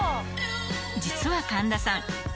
実は神田さん